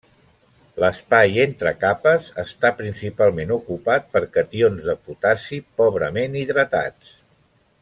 L'espai entre capes està principalment ocupat per cations de potassi pobrament hidratats.